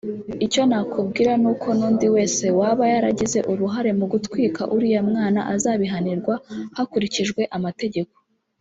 icyo nakubwira ni uko n’undi wese waba yaragize uruhare mu gutwika uriya mwana azabihanirwa hakurikijwe amategeko